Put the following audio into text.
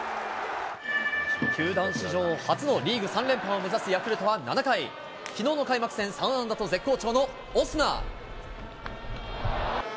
球団史上初のリーグ３連覇を目指すヤクルトは７回、きのうの開幕戦、３安打と絶好調のオスナ。